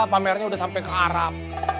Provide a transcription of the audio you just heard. pamernya sudah sampai ke arab